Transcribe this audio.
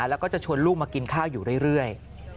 แล้วก็จะชวนลูกมากินข้าวอยู่เรื่อย